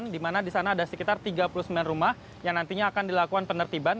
di mana di sana ada sekitar tiga puluh sembilan rumah yang nantinya akan dilakukan penertiban